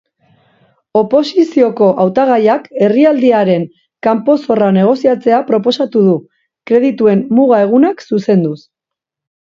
Oposizioko hautagaiak herrialdearen kanpo-zorra negoziatzea proposatu du, kredituen muga-egunak zuzenduz.